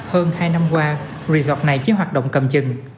hơn hai năm qua resort này chỉ hoạt động cầm chừng